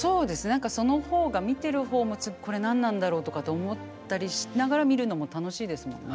何かその方が見てる方も「次これ何なんだろう」とかって思ったりしながら見るのも楽しいですもんね。